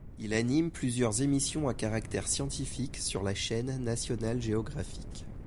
Il anime plusieurs émissions à caractère scientifique sur la chaîne National Geographic.